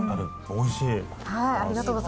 おいしい。